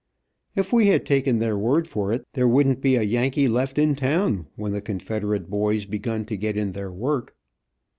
If we had taken their word for it there wouldn't be a Yankee left in town, when the Confederate boys begun to get in their work.